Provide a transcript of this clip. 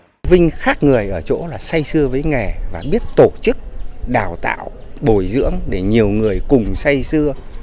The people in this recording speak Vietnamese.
quang vinh khác người ở chỗ là say sưa với nghề và biết tổ chức đào tạo bồi dưỡng để nhiều người cùng say sưa